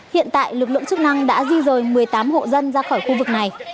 hiện tại lực lượng chức năng đã di rời một mươi tám hộ dân ra khỏi khu vực này